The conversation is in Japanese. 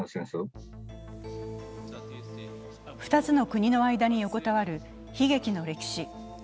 ２つの国の間に横たわる悲劇の歴史。